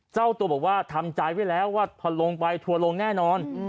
เจ้าตัวบอกว่าทำใจไว้แล้วว่าพอลงไปทัวร์ลงแน่นอน